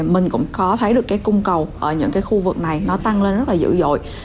mình cũng có thấy được cung cầu ở những khu vực này tăng lên rất dữ dội